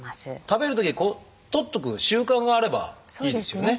食べるときこう撮っとく習慣があればいいですよね。